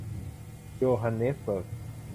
โยฮันเนสเบิร์ก